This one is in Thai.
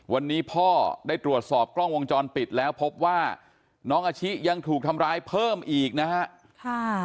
วันนี้พ่อได้ตรวจสอบกล้องวงจรปิดแล้วพบว่าน้องอาชิยังถูกทำร้ายเพิ่มอีกนะฮะ